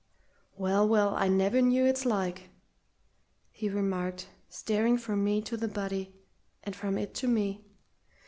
"Well, well, I never knew its like!" he remarked, staring from me to the body, and from it to me.